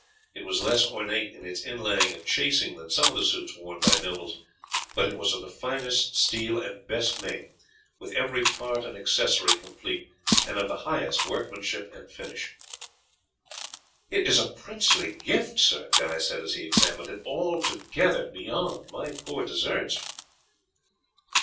It was less ornate in its inlaying and chasing than some of the suits worn by nobles, but it was of the finest steel and best make, with every part and accessory complete, and of the highest workmanship and finish. "It is a princely gift, sir," Guy said as he examined it, "and altogether beyond my poor deserts."